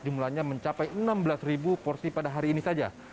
jumlahnya mencapai enam belas porsi pada hari ini saja